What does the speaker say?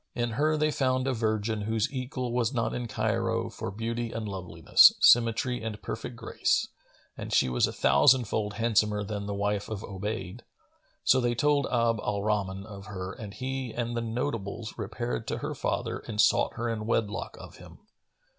In her they found a virgin whose equal was not in Cairo for beauty and loveliness, symmetry and perfect grace, and she was a thousand fold handsomer than the wife of Obayd. So they told Abd al Rahman of her and he and the notables repaired to her father and sought her in wedlock of him.